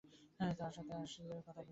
তার সাথে আসলে কথা বলি না।